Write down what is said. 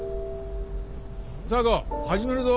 査子始めるぞ。